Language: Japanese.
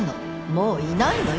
もういないのよ